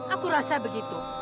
aku rasa begitu